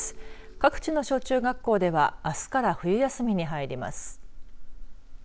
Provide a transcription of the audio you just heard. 各地の小中学校ではあすから冬休みに入ります。